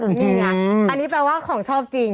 นี่ไงอันนี้แปลว่าของชอบจริง